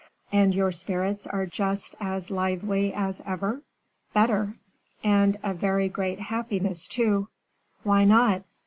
"And your spirits are just as lively as ever?" "Better." "And a very great happiness, too." "Why not?